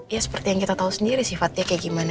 ya seperti yang kita tahu sendiri sifatnya kayak gimana